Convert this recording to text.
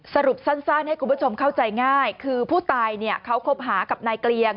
สรุปสั้นให้คุณผู้ชมเข้าใจง่ายคือผู้ตายเนี่ยเขาคบหากับนายเกลียง